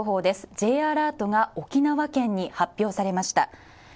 Ｊアラートが沖縄県に発表されました。